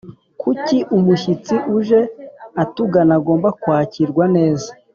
Kuki umushyitsi uje atugana agomba kwakirwa neza?